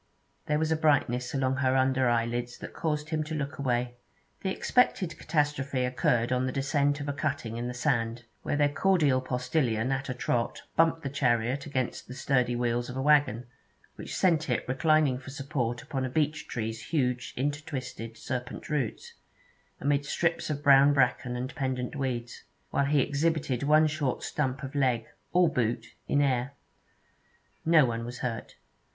There was a brightness along her under eyelids that caused him to look away. The expected catastrophe occurred on the descent of a cutting in the sand, where their cordial postillion at a trot bumped the chariot against the sturdy wheels of a waggon, which sent it reclining for support upon a beech tree's huge intertwisted serpent roots, amid strips of brown bracken and pendant weeds, while he exhibited one short stump of leg, all boot, in air. No one was hurt.